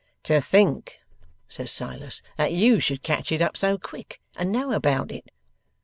'To think,' says Silas, 'that you should catch it up so quick, and know about it.